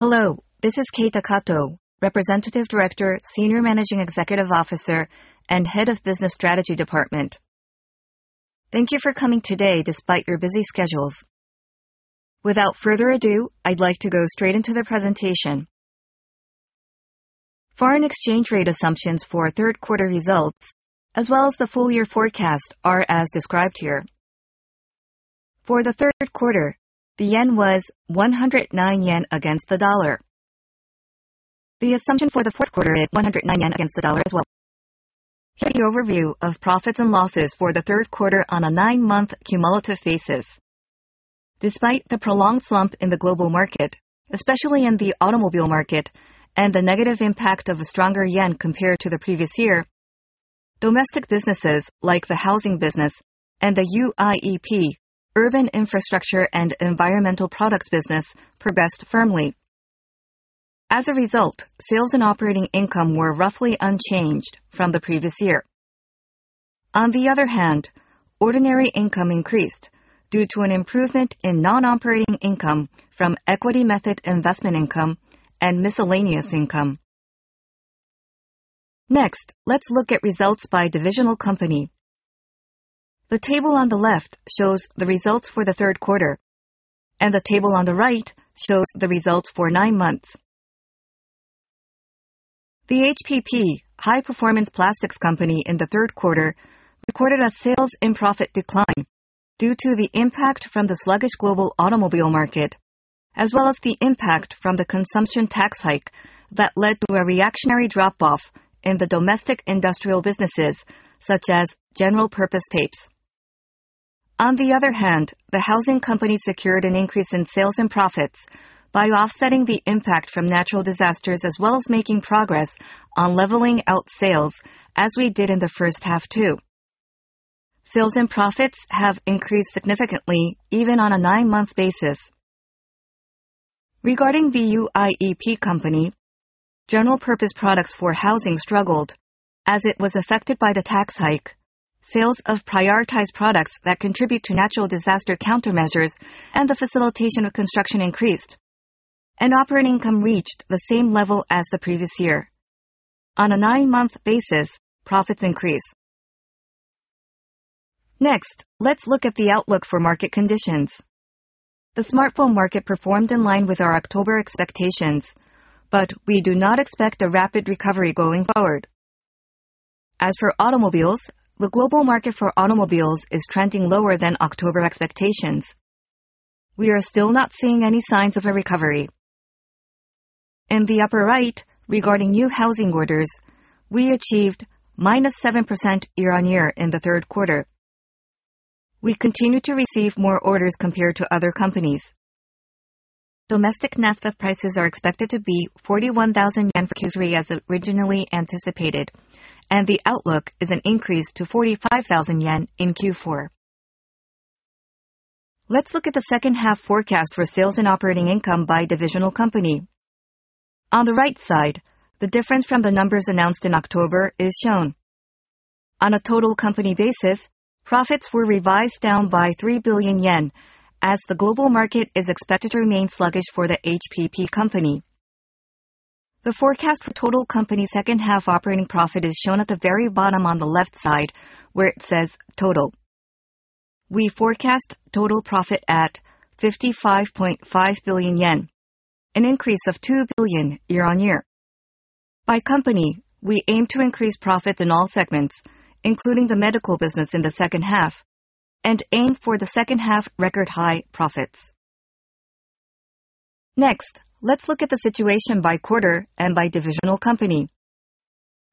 Hello, this is Keita Kato, Representative Director, Senior Managing Executive Officer, and Head of Business Strategy Department. Thank you for coming today despite your busy schedules. Without further ado, I'd like to go straight into the presentation. Foreign exchange rate assumptions for third quarter results, as well as the full year forecast, are as described here. For the third quarter, the yen was 109 yen against the U.S. dollar. The assumption for the fourth quarter is 109 yen against the U.S. dollar as well. Here's an overview of profits and losses for the third quarter on a nine-month cumulative basis. Despite the prolonged slump in the global market, especially in the automobile market, and the negative impact of a stronger yen compared to the previous year, domestic businesses like the housing business and the UIEP, Urban Infrastructure & Environmental Products business progressed firmly. As a result, sales and operating income were roughly unchanged from the previous year. On the other hand, ordinary income increased due to an improvement in non-operating income from equity method investment income and miscellaneous income. Next, let's look at results by divisional company. The table on the left shows the results for the third quarter, and the table on the right shows the results for nine months. The HPP, High Performance Plastics Company in the third quarter recorded a sales and profit decline due to the impact from the sluggish global automobile market, as well as the impact from the consumption tax hike that led to a reactionary drop-off in the domestic industrial businesses, such as general-purpose tapes. On the other hand, the housing company secured an increase in sales and profits by offsetting the impact from natural disasters, as well as making progress on leveling out sales as we did in the first half too. Sales and profits have increased significantly, even on a nine-month basis. Regarding the UIEP company, general-purpose products for housing struggled as it was affected by the tax hike. Sales of prioritized products that contribute to natural disaster countermeasures and the facilitation of construction increased. Operating income reached the same level as the previous year. On a nine-month basis, profits increased. Next, let's look at the outlook for market conditions. The smartphone market performed in line with our October expectations, we do not expect a rapid recovery going forward. As for automobiles, the global market for automobiles is trending lower than October expectations. We are still not seeing any signs of a recovery. In the upper right, regarding new housing orders, we achieved -7% year-over-year in the third quarter. We continue to receive more orders compared to other companies. Domestic naphtha prices are expected to be 41,000 yen for kiloliter as originally anticipated, and the outlook is an increase to 45,000 yen in Q4. Let's look at the second half forecast for sales and operating income by divisional company. On the right side, the difference from the numbers announced in October is shown. On a total company basis, profits were revised down by 3 billion yen as the global market is expected to remain sluggish for the HPP Company. The forecast for total company's second half operating profit is shown at the very bottom on the left side where it says Total. We forecast total profit at 55.5 billion yen, an increase of 2 billion year-on-year. By company, we aim to increase profits in all segments, including the medical business in the second half, and aim for the second half record-high profits. Next, let's look at the situation by quarter and by divisional company.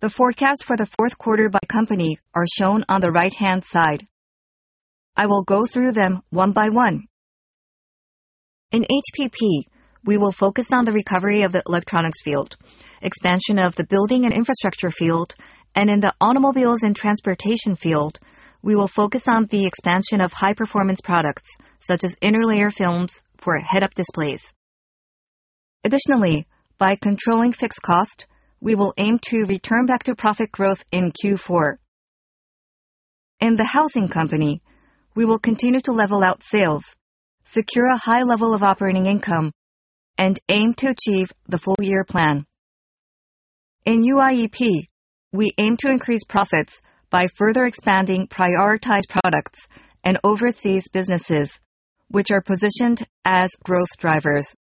The forecast for the fourth quarter by company are shown on the right-hand side. I will go through them one by one. In HPP, we will focus on the recovery of the electronics field, expansion of the building and infrastructure field, and in the automobiles and transportation field, we will focus on the expansion of high-performance products, such as interlayer films for head-up displays. Additionally, by controlling fixed cost, we will aim to return back to profit growth in Q4. In the housing company, we will continue to level out sales, secure a high level of operating income, and aim to achieve the full year plan. In UIEP, we aim to increase profits by further expanding prioritized products and overseas businesses, which are positioned as growth drivers.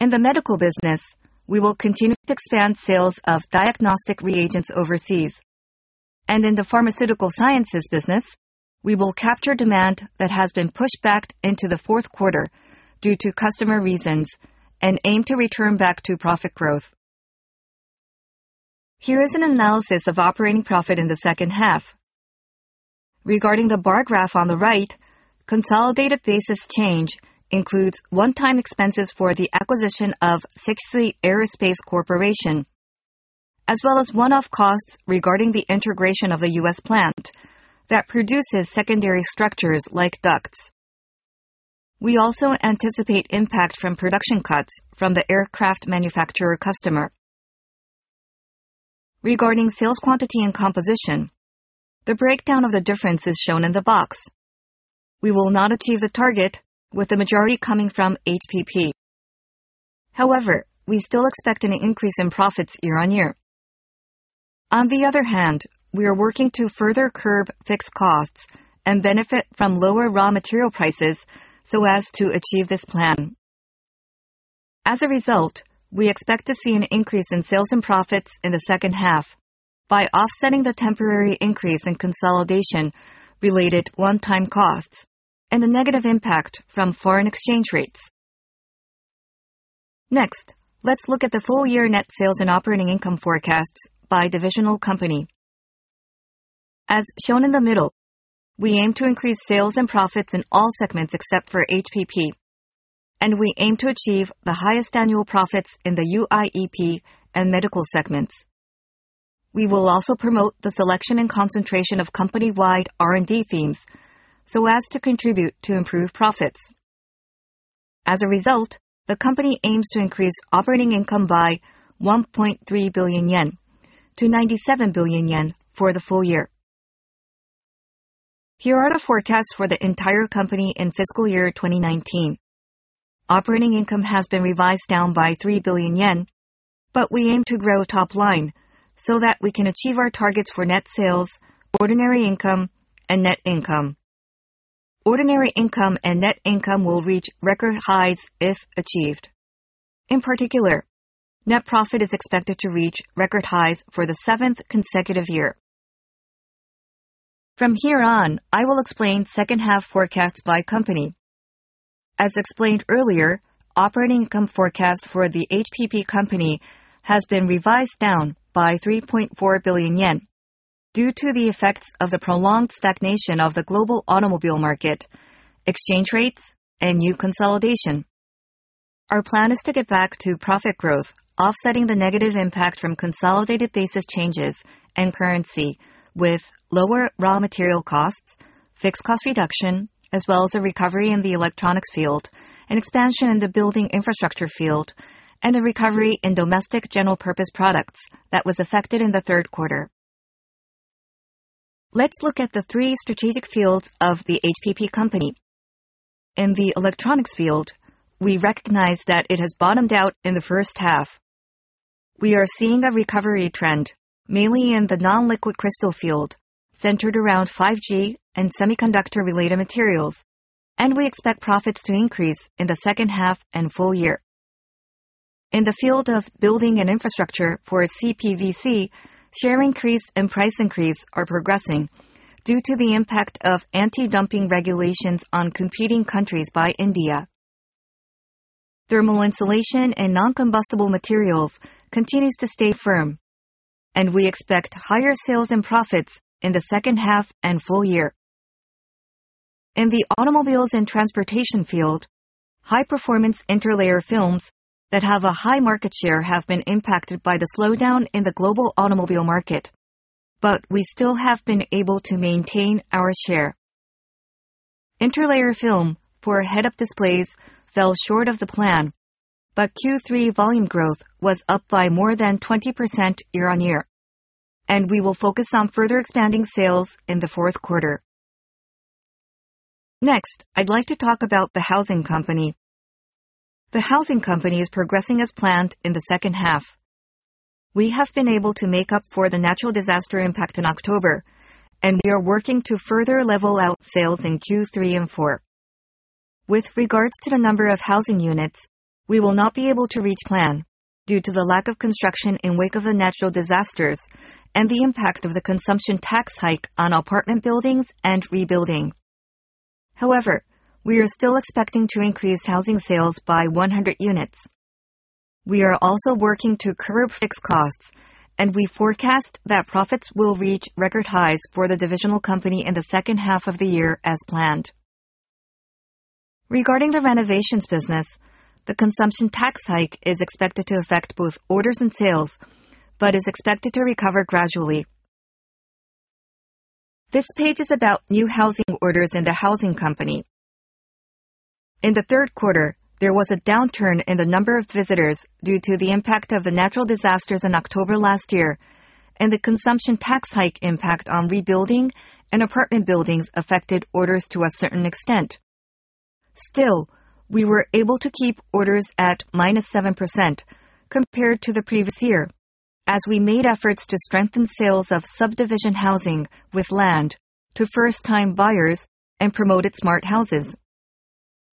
In the medical business, we will continue to expand sales of diagnostic reagents overseas. In the pharmaceutical sciences business, we will capture demand that has been pushed back into the fourth quarter due to customer reasons and aim to return back to profit growth. Here is an analysis of operating profit in the second half. Regarding the bar graph on the right, consolidated basis change includes one-time expenses for the acquisition of SEKISUI Aerospace Corporation, as well as one-off costs regarding the integration of the U.S. plant that produces secondary structures like ducts. We also anticipate impact from production cuts from the aircraft manufacturer customer. Regarding sales quantity and composition, the breakdown of the difference is shown in the box. We will not achieve the target, with the majority coming from HPP. We still expect an increase in profits year-over-year. We are working to further curb fixed costs and benefit from lower raw material prices so as to achieve this plan. We expect to see an increase in sales and profits in the second half by offsetting the temporary increase in consolidation related one-time costs and the negative impact from foreign exchange rates. Let's look at the full year net sales and operating income forecasts by divisional company. As shown in the middle, we aim to increase sales and profits in all segments except for HPP, and we aim to achieve the highest annual profits in the UIEP and medical segments. We will also promote the selection and concentration of company-wide R&D themes so as to contribute to improve profits. As a result, the company aims to increase operating income by 1.3 billion yen to 97 billion yen for the full year. Here are the forecasts for the entire company in fiscal year 2019. Operating income has been revised down by 3 billion yen, but we aim to grow top line so that we can achieve our targets for net sales, ordinary income, and net income. Ordinary income and net income will reach record highs if achieved. In particular, net profit is expected to reach record highs for the seventh consecutive year. From here on, I will explain second half forecasts by company. As explained earlier, operating income forecast for the HPP Company has been revised down by 3.4 billion yen due to the effects of the prolonged stagnation of the global automobile market, exchange rates, and new consolidation. Our plan is to get back to profit growth, offsetting the negative impact from consolidated basis changes and currency with lower raw material costs, fixed cost reduction, as well as a recovery in the electronics field, an expansion in the building infrastructure field, and a recovery in domestic general purpose products that was affected in the third quarter. Let's look at the three strategic fields of the HPP Company. In the electronics field, we recognize that it has bottomed out in the first half. We are seeing a recovery trend, mainly in the non-liquid crystal field, centered around 5G and semiconductor-related materials, and we expect profits to increase in the second half and full year. In the field of building and infrastructure for CPVC, share increase and price increase are progressing due to the impact of anti-dumping regulations on competing countries by India. Thermal insulation and non-combustible materials continues to stay firm, and we expect higher sales and profits in the second half and full year. In the automobiles and transportation field, high performance interlayer films that have a high market share have been impacted by the slowdown in the global automobile market. We still have been able to maintain our share. Interlayer film for head-up displays fell short of the plan, but Q3 volume growth was up by more than 20% year-on-year. We will focus on further expanding sales in the fourth quarter. Next, I'd like to talk about the housing company. The housing company is progressing as planned in the second half. We have been able to make up for the natural disaster impact in October, and we are working to further level out sales in Q3 and Q4. With regards to the number of housing units, we will not be able to reach plan due to the lack of construction in wake of the natural disasters and the impact of the consumption tax hike on apartment buildings and rebuilding. However, we are still expecting to increase housing sales by 100 units. We are also working to curb fixed costs, and we forecast that profits will reach record highs for the divisional company in the second half of the year as planned. Regarding the renovations business, the consumption tax hike is expected to affect both orders and sales but is expected to recover gradually. This page is about new housing orders in the housing company. In the third quarter, there was a downturn in the number of visitors due to the impact of the natural disasters in October last year and the consumption tax hike impact on rebuilding and apartment buildings affected orders to a certain extent. Still, we were able to keep orders at -7% compared to the previous year, as we made efforts to strengthen sales of subdivision housing with land to first-time buyers and promoted smart houses.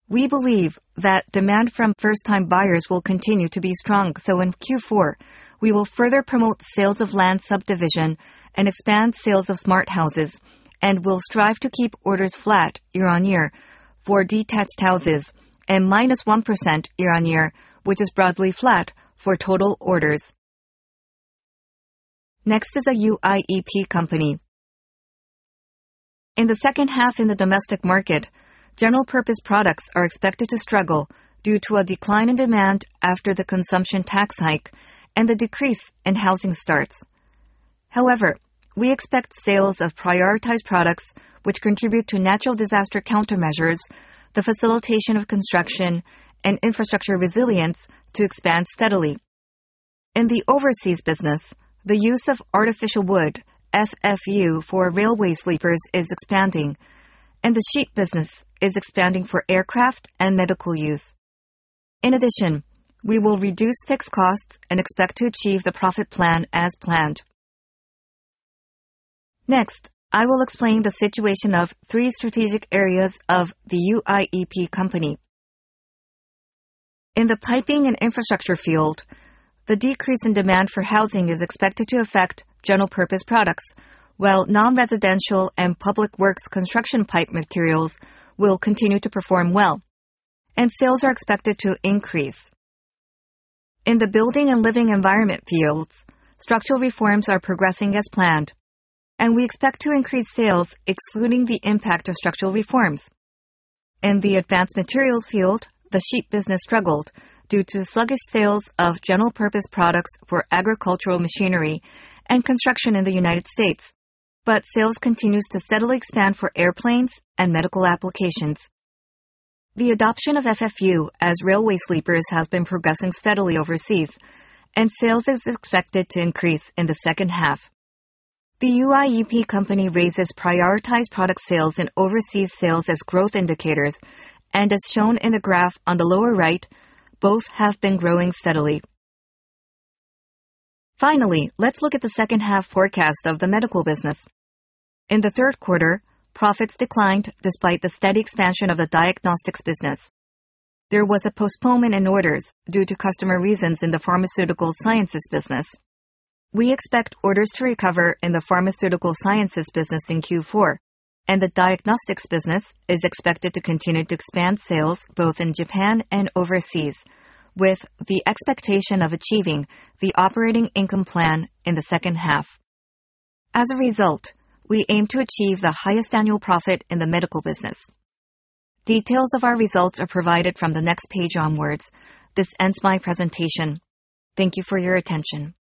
We believe that demand from first-time buyers will continue to be strong. In Q4, we will further promote sales of land subdivision and expand sales of smart houses and will strive to keep orders flat year-on-year for detached houses and -1% year-on-year, which is broadly flat for total orders. Next is a UIEP company. In the second half in the domestic market, general purpose products are expected to struggle due to a decline in demand after the consumption tax hike and the decrease in housing starts. However, we expect sales of prioritized products which contribute to natural disaster countermeasures, the facilitation of construction, and infrastructure resilience to expand steadily. In the overseas business, the use of artificial wood, FFU, for railway sleepers is expanding, and the sheet business is expanding for aircraft and medical use. In addition, we will reduce fixed costs and expect to achieve the profit plan as planned. Next, I will explain the situation of three strategic areas of the UIEP company. In the piping and infrastructure field, the decrease in demand for housing is expected to affect general-purpose products, while non-residential and public works construction pipe materials will continue to perform well and sales are expected to increase. In the building and living environment fields, structural reforms are progressing as planned, and we expect to increase sales excluding the impact of structural reforms. In the advanced materials field, the sheet business struggled due to sluggish sales of general-purpose products for agricultural machinery and construction in the U.S., but sales continues to steadily expand for airplanes and medical applications. The adoption of FFU as railway sleepers has been progressing steadily overseas, and sales is expected to increase in the second half. The UIEP company raises prioritized product sales and overseas sales as growth indicators, and as shown in the graph on the lower right, both have been growing steadily. Finally, let's look at the second half forecast of the medical business. In the third quarter, profits declined despite the steady expansion of the diagnostics business. There was a postponement in orders due to customer reasons in the pharmaceutical sciences business. We expect orders to recover in the pharmaceutical sciences business in Q4, and the diagnostics business is expected to continue to expand sales both in Japan and overseas, with the expectation of achieving the operating income plan in the second half. As a result, we aim to achieve the highest annual profit in the medical business. Details of our results are provided from the next page onwards. This ends my presentation. Thank you for your attention.